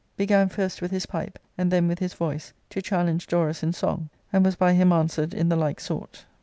— Book L \Qfj began first with his pipe, and then with his voice, to challenge Dorus in song, and was by him answered in the like sort.